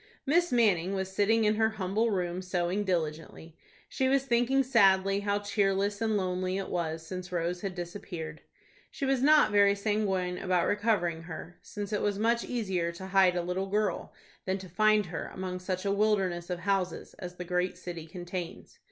Miss Manning was sitting in her humble room sewing diligently. She was thinking sadly how cheerless and lonely it was since Rose had disappeared. She was not very sanguine about recovering her, since it was much easier to hide a little girl than to find her among such a wilderness of houses as the great city contains.